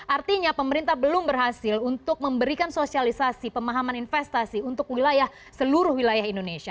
artinya pemerintah belum berhasil untuk memberikan sosialisasi pemahaman investasi untuk wilayah seluruh wilayah indonesia